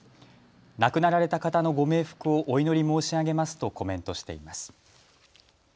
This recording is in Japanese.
亡くなられた方のご冥福をお祈り申し上げますとコメントしています。